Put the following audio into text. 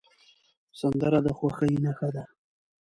سندره د خوښۍ نښه ده